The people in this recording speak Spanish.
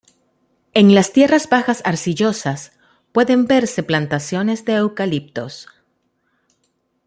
En las tierras bajas arcillosas pueden verse plantaciones de eucaliptos.